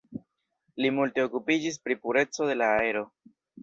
Li multe okupiĝis pri pureco de la aero.